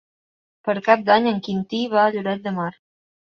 Per Cap d'Any en Quintí va a Lloret de Mar.